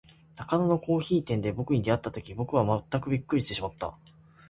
中野のコオヒイ店で、ぼくに会った時には、ぼくはまったくびっくりしてしまった。